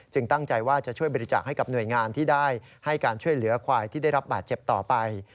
ตั้งใจว่าจะช่วยบริจาคให้กับหน่วยงานที่ได้ให้การช่วยเหลือควายที่ได้รับบาดเจ็บต่อไป